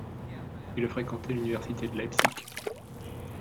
Il a fréquenté l'Université de Leipzig.